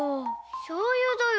しょうゆだよ。